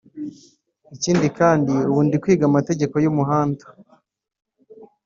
Ikindi kandi ubu ndi kwiga amategeko y’umuhanda